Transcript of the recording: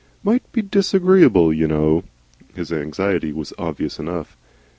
"Might be disagreeable, y' know." His anxiety was obvious enough.